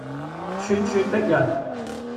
咄咄逼人